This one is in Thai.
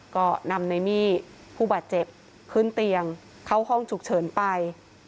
ก็นำในมี่ผู้บาดเจ็บขึ้นเตียงเข้าห้องฉุกเฉินไป